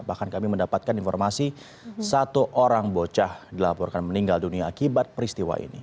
bahkan kami mendapatkan informasi satu orang bocah dilaporkan meninggal dunia akibat peristiwa ini